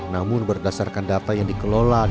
namun berdasarkan data yang dikelola damkar dkjm